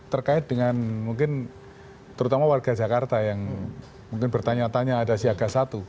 terkait dengan mungkin terutama warga jakarta yang mungkin bertanya tanya ada siaga satu